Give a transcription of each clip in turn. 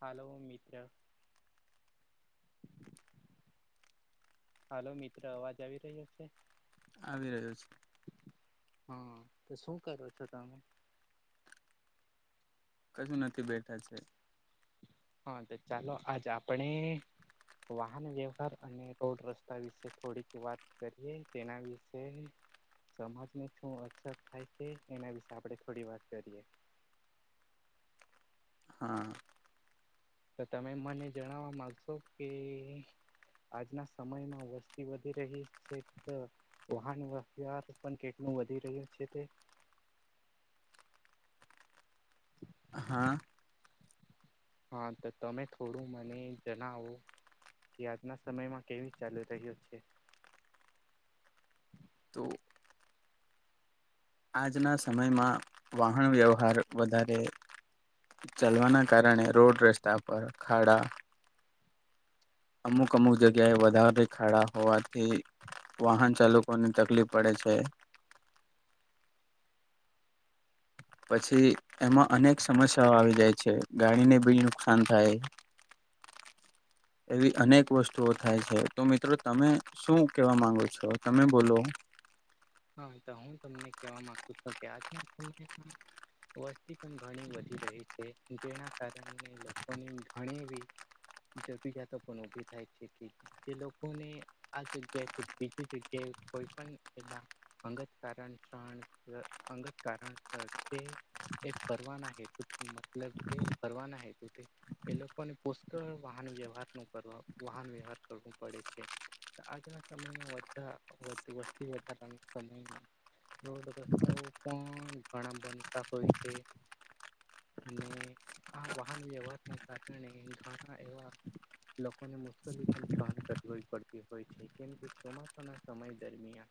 હાલો મિત્ર. હાલો મિત્ર અવાજ આવી રહ્યો છે. આવી રહ્યો છે. હા તો શું કરો છો તમે? કશું નથી બેઠા છે. હા તો ચાલો આજ આપણે વાહન વ્યવહાર અને રોડ રસ્તા વિશે થોડીક વાત કરીએ તેના વિશે સમાજને શું અસર થાય છે એના વિશે આપડે થોડી વાત કરીએ. હા. તો તમે મને જણાવવા માંગશો કે આજના સમયમાં વસ્તી વધી રહી છે તો વાહન વ્યવહાર પણ કેટલું વધી રહ્યું છે તે હા હા તો તમે થોડું મને જનાવો. કે આજના સમયમાં કેવી ચાલુ રહ્યું છે. તો આજના સમયમાં વાહન વ્યવહાર વધારે ચાલવાના કારણે રોડ રસ્તા પર ખાડા અમુક અમુક જગ્યાએ વધારે ખાડા હોવાથી વાહન ચાલકો ને તકલીફ પડે છે. પછી એમાં અનેક સમસ્યાઓ આવી જાય છે ગાડીને બી નુકસાન થાય. એવી અનેક વસ્તુઓ થાય છે તો મિત્રો તમે શું કેવા માંગો છો? તમે બોલો. હા તો હું તમને કહેવા માગું છું કે આજના સમય પણ વસ્તી પણ ઘણી વધી રહી છે જેના કારણે લોકોની ઘણીવી જો તી જાતો બી ઉભી થાય છે કે જે લોકોને આ જગ્યાથી બીજી જગ્યાએ કોઈ પણ એલા અંગત કારણસણ ર અંગત કારણસર તે એ ફરવાના હેતુથી મતલબ કે ફરવાના હેતુથી એ લોકોને પુષ્કળ વાહન વ્યવહાર ન કરવા વાહન વ્યવહાર કરવું પડે છે. આજના સમયમાં વધ વધું વસ્તી વધારાનું સમયના રોડ રસ્તાઓ પણ ઘણા બનતા હોય છે. અને આ વાહન વ્યવહાર ના કારણે ઘણા એવા લોકોને મુશ્કેલી પણ સહન કરવી પડતી હોય છે કેમકે ચોમાસાના સમય દરમિયાન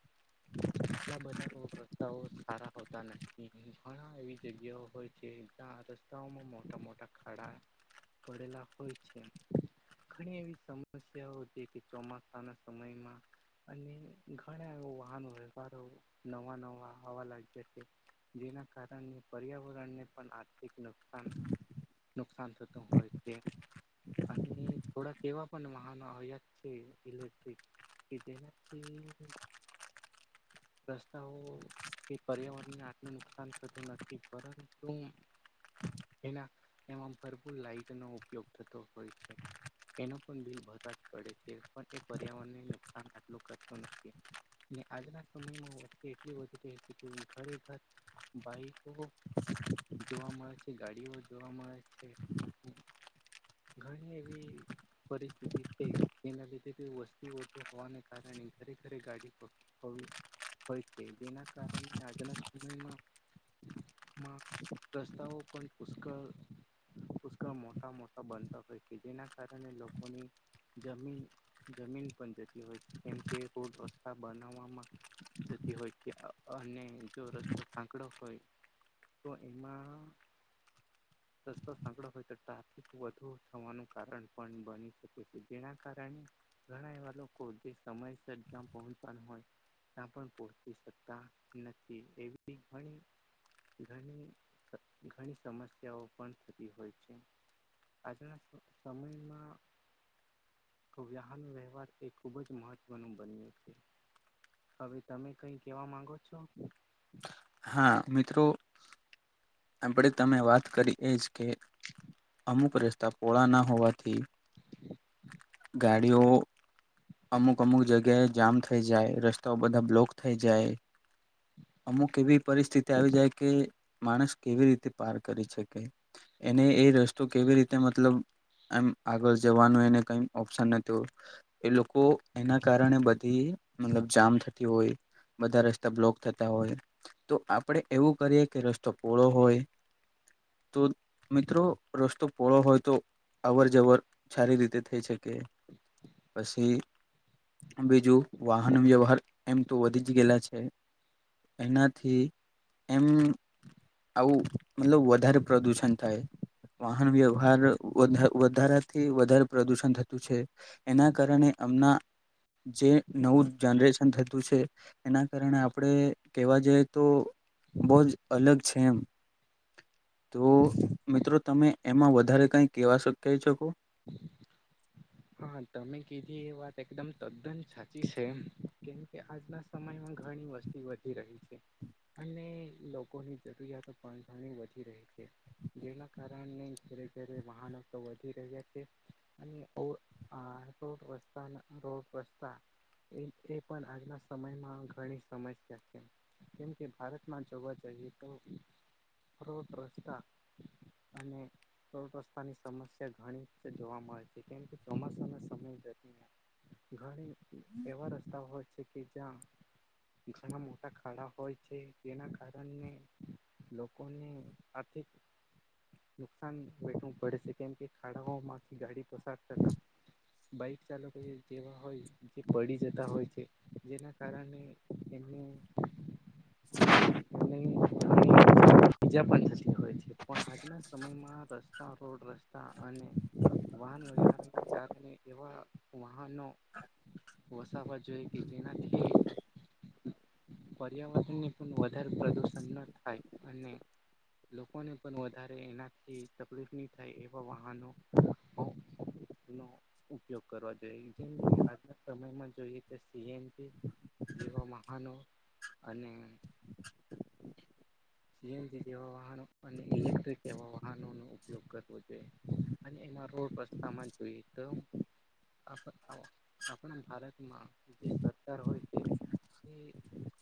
આટલા બધા રોડ રસ્તાઓ સારા હોતા નથી ઘણા એવી જગ્યાઓ હોય છે જ્યાં રસ તાઓમાં મોટા મોટા ખાડા પડેલા હોય છે. ઘણી એવી સમસ્યાઓ છે કે ચોમાસાના સમયમાં અને ઘણા એ વાહનો વ્યવહારો નવા નવા હવા લાગ્યા છે. જેના કારણે પર્યાવરણને પણ આર્થિક નુકસાન નુકસાન છધું હોય છે. અને થોડા કેવા પણ મહહના આવ્યા છે ઇલેક્ટિક કીધેલા નાથી. રસ્તાઓ કે પર્યાવરણને આટલું નુકસાન થતું નથી પરંતુ જેના એમાં ભરપૂર લાાઈટનો ઉપયોગ થતો હોય છે. એનો પણ બિલ ભરવા જ પડે છે પણ એ પર્યાવરણને નુકસાન આટલું કરતું નથી. હી આજના સમયમાં વતી એટલી બી ઘરે ઘર બાઈકો. જોવા મળે છે ગાડીઓ જોવા મળે છે. ઘણી એવી. પરિસ્થિતિ થઈ તેના લીધે કો વસ્તી વધુ હોવાને કારણે ઘરે ઘરે ગાડી હવે. હોય છે જેના કારણે આજના સમયમાં દસ્તાઓ પણ પુષ્કળ પુષ્કળ મોટા મોટા બનતા હોય છે જેના કારણે લોકોની જમીન જમીન પણ જતી હોય છે કેમ કે રોડ રસ્તા બનાવવામાં. જ હોય કે અને જો રસ્તો સાંકડો હોય. તો એમાં રસ્તો સાકળો હોય તો ટ્રાફિક વધુ થવાનું કારણ પણ બની શકે છે જેના કારણે ઘણા એવા લોકો જે સમયસર જ્યાં પહોંચવાનું હોય. પણ પરતી સતા નથી એવી ઘણી ઘણી ઘણી સમસ્યાઓ પણ થતી હોય છે. આજના સમયમાં તો વ્યાહનો વ્યવહાર તે ખૂબ જ મહત્વનો બન્યો છે. હવે તમે કઈ કેવા માંગો છો. હા મિત્રો આપડે તમે વાત કરી એજ કે [unintelligible] અમુક રસ્તા પોહળા ના હોવાથી ગાડીઓ અમુક અમુક જગ્યાએ જામ થઈ જાય રસ્તાઓ બધા બ્લોક થઈ જાય. અમુક એવી પરિસ્થિતિ આવી જાય કે માણસ કેવી રીતે પાર કરી શકે. એને એ રસ્તો કેવી રીતે મતલબ એમ આગળ જવાનું એને કઈ ઓપ્શન નતુ. એ લોકો એના કારણે બધી મતલબ જામ થતી હોય. બધા રસ્તા બ્લોક થતા હોય. તો આપડે એવું કરીએ કે રસ્તો પોળો હોય. તો મિત્રો રસ્તો પોળો હોય તો. અવર જવર સારી રીતે થઈ શકે પછી બીજું વાહન વ્યવહાર એમ તો વધી જ ગયેલા છે એના થી એમ [inaudible] આવું મતલબ વધારે પ્રદુષણ થાય. વાહન વ્યવહાર વધારાથી વધારે પ્રદુષણ થતું છે. એના કારણે એમના જે નવું જનરેશન થતું છે એના કારણે આપણે કહેવા જે તો બહ જ અલગ છે એમ. તો મિત્રો તમે એમાં વધારે કાંઈ કહેવા કહી શકો. હમ. હા તમે કીધી એ વાત એકદમ તદ્દન સાચી છે કેમ કે આજના સમયમાં ઘણી વસ્તુ વધી રહી છે અને લોકોની જરૂરિયાતો પણ ઘણી વધી રહી છે. જેના કારણે ઘરે ઘરે વાહનો તો વધી રહ્યા. રોડતા રોડ વતા એ [inaudible] એ પણ આજના સમયમાં ઘણી સમસ્યા છે. કેમ કે ભારતમાં જોવા જઈએ તો. રોડ રસ્તા અને રોડ રસ્તાની સમસ્યા ઘણી જોવાવામાં મળતી રહે છે ચોમાસાના સમય ધને ઘડ એવા રસ્તા હોય છે કે જ્યાં. ઘણા મોટા ખાડા હોય છે તેના કારણે લોકોને આથિક નુકસાન વેઠું પડશે કેમ કે ખાડાઓમાં ગાડી પસાર થતા. બાઈક ચાલકો જેવા હોય જે પડી જતા હોય છે જેના કારણે એમને. બજા પણતી [inaudible] હોય છે પણ આજના સમયમાં આ રસ્તા રોડ રસ્તા અને વાહન વ્યહારના કારણે એવા વાહનોનો વસાવા જોઈ કે જેનાથી પર્યાવરણને પણ વધારે પ્રદુષણ ન થાય અને લોકોને પણ વધારે એનાથી તકલીફ નહી થાય એવા વાહનો નો ઉપયોગ કરવા જોઈએ જેમ કે આજના સમયમાં જોઈએ તો સીએનજી. જેવા મહાનો અને જીએનજી જેવા વાહનો અને ઇલેક્ટ્રિક એવા વાહનોનો ઉપયોગ કરવો જોઈએ અને એમાં રોડ પર સનંત ત [inaudible] આ આપણા ભારતમાં જે સરકાર હોય તે એ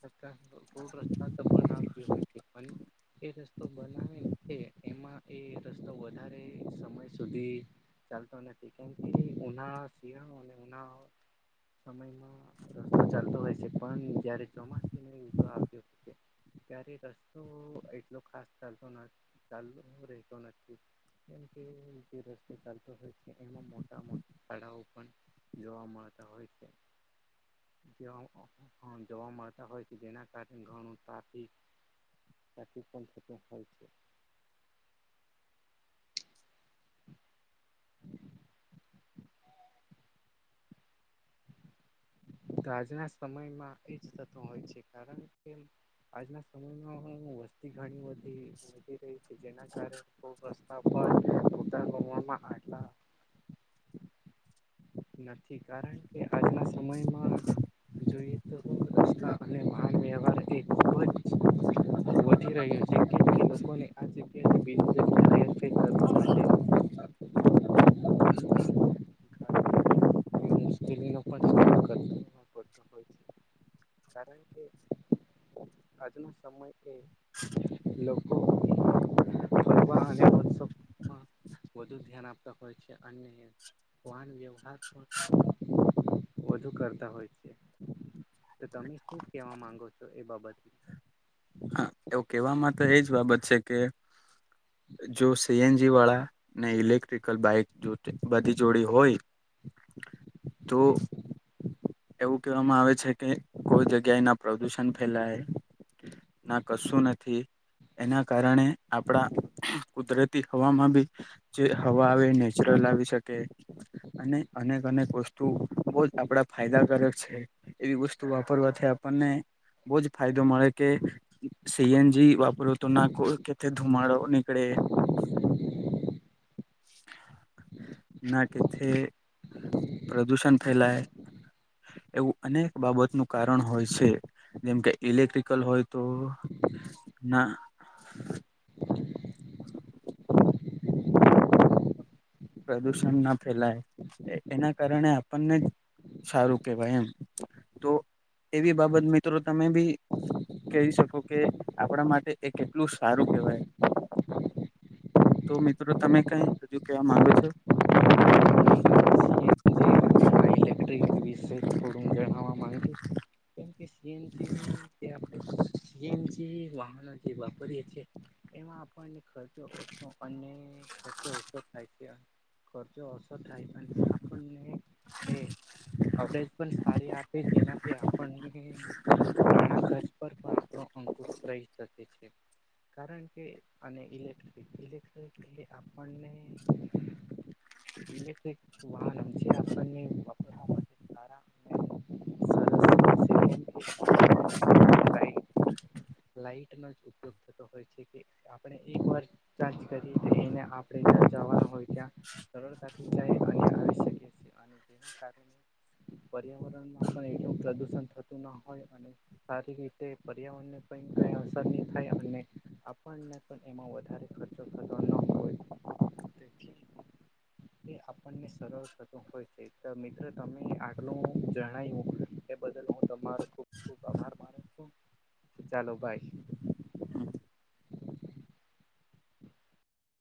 રસ્તા રોડ રસ્તા તો બનાવતી હોય છે પણ એ રસ્તો બનાવે છે એમાં એ રસ્તો વધારે સમય સુધી ચાલતો નથી કેમકિ ઉનાળા શિયાળો અને ઉનાળો સમયમાં રસ્તો ચાલતો હોય છે પણ જયારે ચોમાસા ની શ્રૃતિ આવતી ત્યારે તો એટલો ખાસ ચાલતો ના ચાલતો રહેતો નથી. કેમ કે જે રસ્તે ચાલતો હોય છે એમાં મોટા મોટા તાળાઓ પણ જોવા મળતા હોય છે. જોવા જોવા મળતા હોય છે જેના કારણે ઘણું ટ્રાફિક ટાફિક પણ થતુ હોય છે. તો આજના સમયમાં એજ થતુ હોય છે કારણ કે આજના સમયમાં હું વસ્તી ઘણી થી વધી રહી છે, જેના કારણે ખૂબ રસ્તા પર ાર મરમાં [unintelligible] આટલા નથી કારણ કે આજના સમયમાં જોઈએ તો રસ્તા અને વાહન વ્યવહાર એ ખૂબ જ વધી રહ્યો જે ખલોક બ [unintelligible] [inaudible] હ [unintelligible] મુશ્કેલી નો સામનો [inaudible] પણ પડતો હોય છે કારણ કે આજનુ સમય એ લોકો ફરવા અને ઉત્સવમાં [inaudible] વધુ ધ્યાન આપતા હોય છે અને વાહન વ્યવહાર વધુ કરતા હોય. છે તો તમે શું કેવા માંગો છો એ બાબત? હા એવું કેવામાં તો એજ બાબત છે કે જો સીએનજી વાળા ને ઇલેક્ટ્રિકલ બાઈક જો જો બધી જોડી હોય તો એવું કહેવામાં આવે છે કે કોઈ જગ્યાએ ના પ્રદુષણ ફેલાય. ના કશું નથી એના કારણે આપણાં કુદરતી હવામાં બી જે હવા આવે એ નેચરલ આવી શકે. અને અનેક અનેક વસ્તુ બો જ આપડા ફાયદાકારક છે. એવી વસ્તુ વાપરવાથી આપણને બો જ ફાયદો મળે કે સી એન જી વાપરો તો ના કો કેથે ધુમાડો નીકળે. [inaudible] ના કેથે પ્રદૂષણ ફેલાય એવું અનેક બાબતનું કારણ હોય છે. જેમ કે ઈલેક્ટ્રિકલ હોય તો ના પ્રદુષણ ના ફેલાય એના કારણે આપણને સારું કેવાય એમ તો એવી બાબત મિત્રો તમે બી કેય શકો કે આપણાં માટે એ કેટલું સારું કેવાય. તો મિત્રો તમે કંઈ હજુ કેવા માંગો છો? ટેકટ્રી વિષે થોડું જણા ‌વા માગો કેમ કે સી એન જી વાહન જે વાપરીએ છે. એમાં આપણને ખર્ચો ઓછો અને ખર્ચો ઓછો થાય છે. ખર્ચો ઓછો થાય અને આપણને એ કવરેજ પણ સારી આપે જેનાથી આપણને ઘણાં ખર્ચ પર પણ આપણો અંકુશ રઈ શકે છે કારણ કે અને ઈલેક્ટ્રિક ઈલેક્ટ્રિક એ આપણને ઈલેક્ટ્રિક વાહન જે આપણને વાપરવા માટે સારા સરસ કેમ કે લાઈટનો જ ઉપયોગ થતો હોય. આપણે એકવાર ચાર્જ કરી એને આપણે જ્યાં જવાનું હોય ત્યાં સરળતા થઈ જાય અને આવશ્યકે છે ના કારણે પર્યાવરણમાં પણ એટલું પ્રદૂષણ થતું ન હોય અને સારી રીતે પર્યાવરણને પણ કંઈ અસર ની થાય અને આપણને પણ એમાં વધારે ખર્ચો કરવાનો હોય તેથી તે આપણને સરળ થતો હોય છે. તો મિત્ર તમે આટલું જણાવ્યું એ બદલ હું તમારો ખૂબ ખૂબ આભાર માનું. ચાલો, બાય. ?